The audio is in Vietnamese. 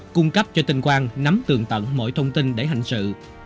cung cấp cho tên quang nắm tường tận mọi thông tin để hành sự